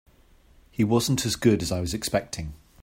He wasn't as good as I was expecting.